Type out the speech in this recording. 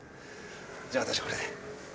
じゃあ私はこれで。